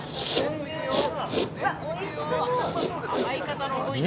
うわおいしそう！